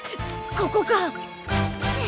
ここか！